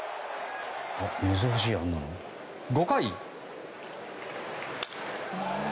５回。